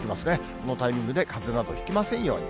このタイミングでかぜなどひきませんように。